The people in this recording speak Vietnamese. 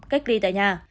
cách ly tại nhà